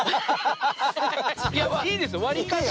いいですよ割かし。